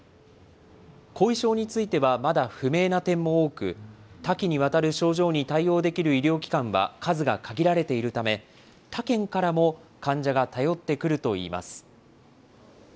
後遺症についてはまだ不明な点も多く、多岐にわたる症状に対応できる医療機関は数が限られているため、他県からも患者が頼ってくるといいます。